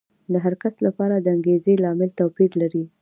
د هر کس لپاره د انګېزې لامل توپیر لري.